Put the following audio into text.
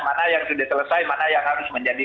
mana yang sudah selesai mana yang harus menjadi